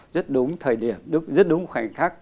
rất đúng thời điểm rất đúng khoảnh khắc